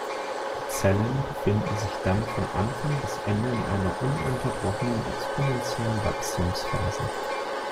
Die Zellen befinden sich dann von Anfang bis Ende in einer ununterbrochenen exponentiellen Wachstumsphase.